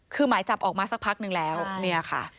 คือหมายจับออกมาสักพักนึงแล้วเนี่ยค่ะ